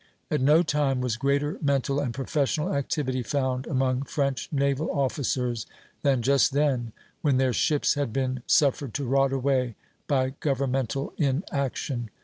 At no time was greater mental and professional activity found among French naval officers than just then, when their ships had been suffered to rot away by governmental inaction.